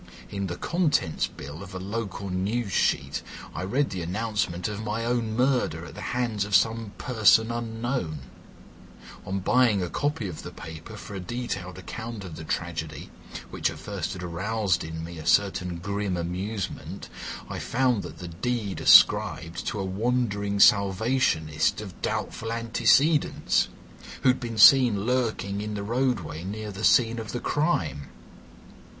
In the contents bill of a local news sheet I read the announcement of my own murder at the hands of some person unknown; on buying a copy of the paper for a detailed account of the tragedy, which at first had aroused in me a certain grim amusement, I found that the deed ascribed to a wandering Salvationist of doubtful antecedents, who had been seen lurking in the roadway near the scene of the crime.